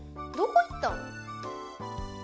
どこ行ったん？